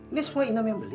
ini semua inam yang beli